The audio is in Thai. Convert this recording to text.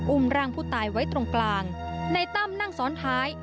อุ้มรังผู้ตายไว้ตรงกลางนายตำนั่งซ้อนท้าย